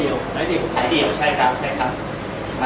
สวัสดีครับ